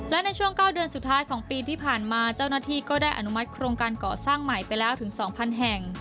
และในช่วง๙เดือนสุดท้ายของปีที่ผ่านมาเจ้าหน้าที่ก็ได้อนุมัติโครงการก่อสร้างใหม่ไปแล้วถึง๒๐๐แห่ง